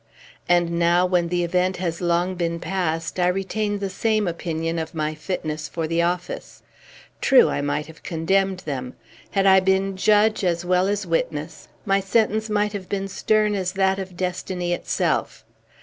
And now when the event has long been past, I retain the same opinion of my fitness for the office. True, I might have condemned them. Had I been judge as well as witness, my sentence might have been stern as that of destiny itself.